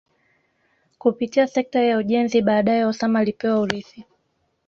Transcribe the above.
kupitia sekta ya ujenzi baadae Osama alipewa urithi